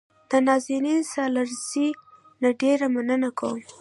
د نازنین سالارزي نه ډېره مننه کوم.